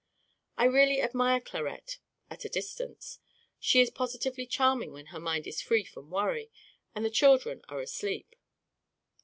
I really admire Clarette at a distance. She is positively charming when her mind is free from worry and the children are asleep."